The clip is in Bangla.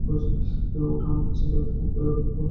ওটা আমার কাছে দাঁতের ডাক্তার দেখাতে যাওয়ার মতোই তুচ্ছ ঘটনা।